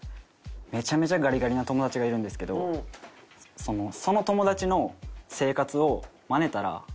めちゃめちゃガリガリな友達がいるんですけどその友達の生活をまねたら痩せるんじゃないかなと思って。